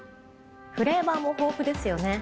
フレーバーも豊富ですよね。